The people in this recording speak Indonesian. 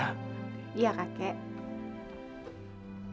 kaki jangan lupa minum obat ya